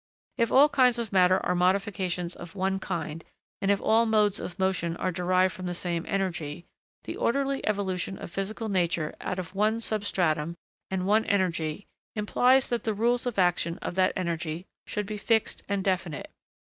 If all kinds of matter are modifications of one kind, and if all modes of motion are derived from the same energy, the orderly evolution of physical nature out of one substratum and one energy implies that the rules of action of that energy should be fixed and definite.